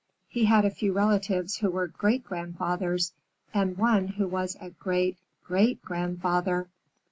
He had a few relatives who were great grandfathers, and one who was a great great grandfather.